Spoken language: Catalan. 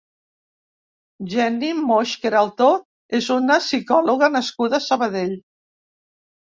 Jenny Moix Queraltó és una psicòloga nascuda a Sabadell.